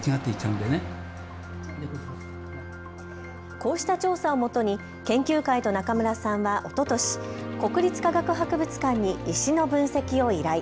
こうした調査をもとに研究会と中村さんはおととし、国立科学博物館に石の分析を依頼。